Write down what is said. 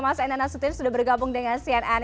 mas enda nasution sudah bergabung dengan cnn